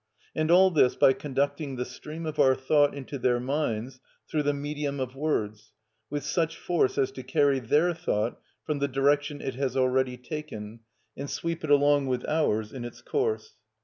And all this by conducting the stream of our thought into their minds, through the medium of words, with such force as to carry their thought from the direction it has already taken, and sweep it along with ours in its course.